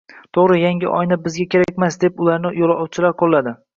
“To‘g‘ri, yangi oyna bizga kerakmas!” – deb ularni qo‘llovchilar chiqdi.